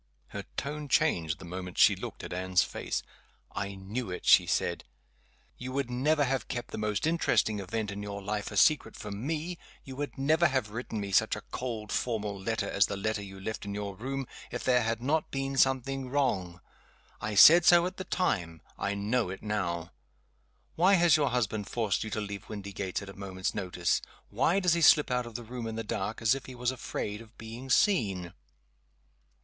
Her tone changed the moment she looked at Anne's face. "I knew it!" she said. "You would never have kept the most interesting event in your life a secret from me you would never have written me such a cold formal letter as the letter you left in your room if there had not been something wrong. I said so at the time. I know it now! Why has your husband forced you to leave Windygates at a moment's notice? Why does he slip out of the room in the dark, as if he was afraid of being seen?